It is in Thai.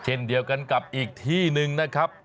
เช่นเดียวกันกับอีกที่หนึ่งนะครับ